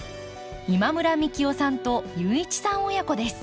今村幹雄さんと雄一さん親子です。